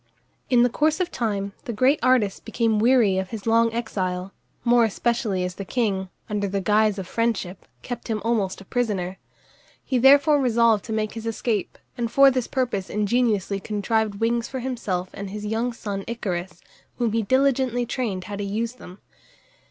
In the course of time the great artist became weary of his long exile, more especially as the king, under the guise of friendship, kept him almost a prisoner. He therefore resolved to make his escape, and for this purpose ingeniously contrived wings for himself and his young son Icarus, whom he diligently trained how to use them.